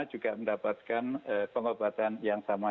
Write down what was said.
juga mendapatkan pengobatan yang sama